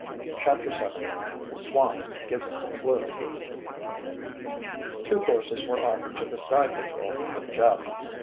CHAPTER VII THE SWAMP GIVES UP A CLUE Two courses were offered to the Sky Patrol with Jeff.